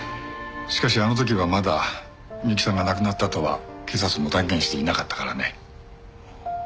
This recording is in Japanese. しかしあの時はまだ美雪さんが亡くなったとは警察も断言していなかったからね。